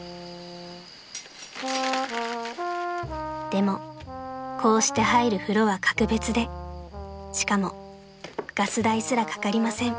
［でもこうして入る風呂は格別でしかもガス代すらかかりません］